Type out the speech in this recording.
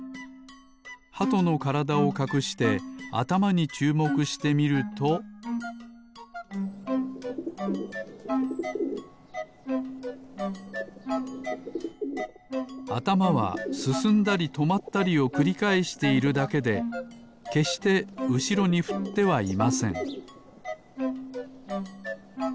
ハトのからだをかくしてあたまにちゅうもくしてみるとあたまはすすんだりとまったりをくりかえしているだけでけっしてうしろにふってはいません